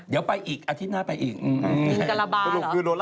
เดี๋ยวไปอีกอาทิตย์หน้าไปอีกมึงมึงมึง